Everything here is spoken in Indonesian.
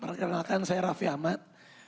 perkenalkan saya raffi ahmad